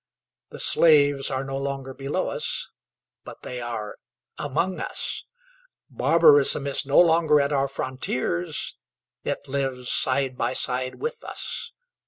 The slaves are no longer below us, but they are among us. Barbarism is no longer at our frontiers: it lives side by side with us.